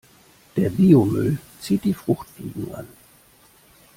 Der Biomüll zieht die Fruchtfliegen an.